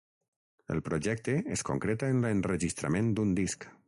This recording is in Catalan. El projecte es concreta en l’enregistrament d’un disc.